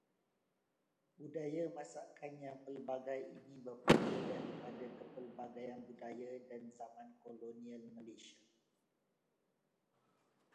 Budaya masakan yang pelbagai ini berpunca daripada kepelbagaian budaya dan zaman kolonial Malaysia.